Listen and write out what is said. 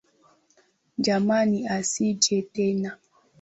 Jamani asije tena.